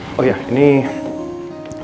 pak jack datang lagi dari sumatera kesini